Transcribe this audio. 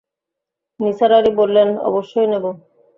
নিসার আলি বললেন, অবশ্যই নেব।